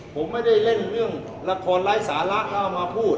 ผมไม่ได้เล่นเรื่องละครไร้สาระเข้ามาพูด